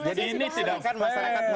jadi ini tidak akan masyarakat melakukan